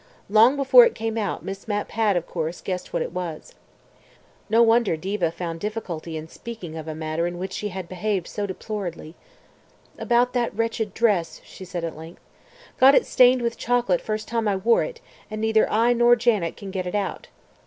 Long before it came out, Miss Mapp had, of course, guessed what it was. No wonder Diva found difficulty in speaking of a matter in which she had behaved so deplorably. ... "About that wretched dress," she said at length. "Got it stained with chocolate first time I wore it, and neither I nor Janet can get it out."